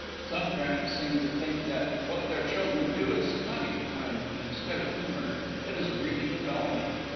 Some parents seem to think that what their children do is funny, when, instead of humor, it is really felony.